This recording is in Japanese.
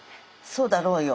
そうだろうよ。